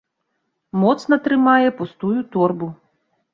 Моцна трымае пустую торбу.